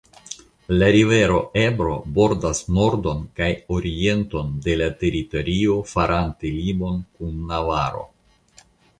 La rivero Ebro bordas nordon kaj orienton de la teritorio farante limon kun Navaro.